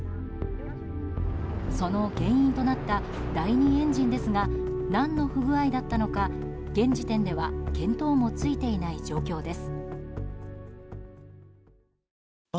その原因となった第２エンジンですが何の不具合だったのか現時点では見当もついていない状況です。